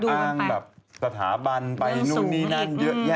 ถึงมันยาวมากจริงต้องดูกันไป